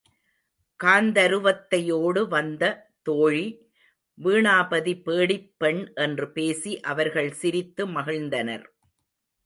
காந்தருவத்தையோடு வந்த தோழி வீணாபதி பேடிப் பெண் என்று பேசி அவர்கள் சிரித்து மகிழ்ந்தனர்.